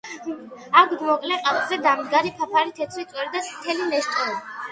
აქვთ მოკლე, ყალყზე დამდგარი ფაფარი, თეთრი წვერი და წითელი ნესტოები.